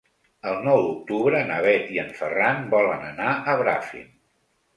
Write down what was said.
El nou d'octubre na Bet i en Ferran volen anar a Bràfim.